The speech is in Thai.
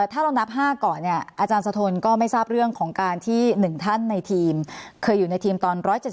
ถ้าเรานับ๕ก่อนเนี่ยอาจารย์สะทนก็ไม่ทราบเรื่องของการที่๑ท่านในทีมเคยอยู่ในทีมตอน๑๗๒